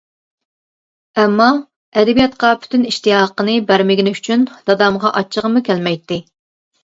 ئەمما، ئەدەبىياتقا پۈتۈن ئىشتىياقىنى بەرمىگىنى ئۈچۈن دادامغا ئاچچىقىممۇ كەلمەيتتى.